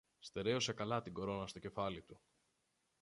Στερέωσε καλά την κορώνα στο κεφάλι του